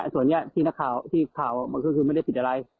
ตอนนี้พี่นักข่าวไม่ได้ผิดอะไร